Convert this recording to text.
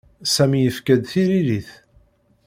Sami yefka-d tiririt.